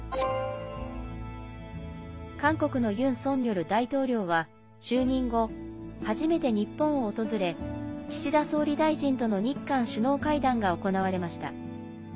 韓国のユン・ソンニョル大統領は就任後初めて日本を訪れ岸田総理大臣との日韓首脳会談が行われました。